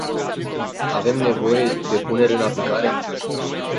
Avem nevoie de punere în aplicare?